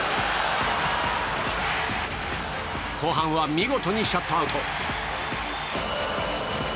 後半は見事にシャットアウト。